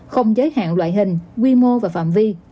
không giới hạn loại hình quy mô và phạm vi